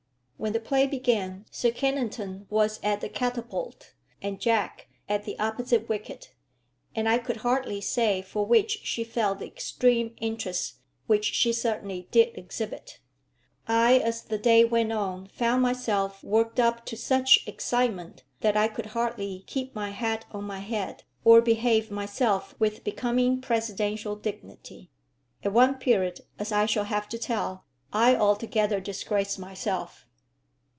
When the play began, Sir Kennington was at the catapult and Jack at the opposite wicket, and I could hardly say for which she felt the extreme interest which she certainly did exhibit. I, as the day went on, found myself worked up to such excitement that I could hardly keep my hat on my head or behave myself with becoming presidential dignity. At one period, as I shall have to tell, I altogether disgraced myself.